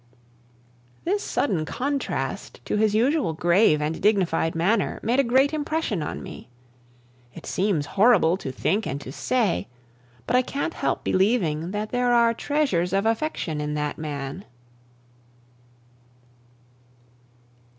This sudden contrast to his usual grave and dignified manner made a great impression on me. It seems horrible to think and to say, but I can't help believing that there are treasures of affection in that man.